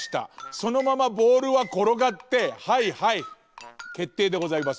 そのままボールはころがってはいはいけっていでございます。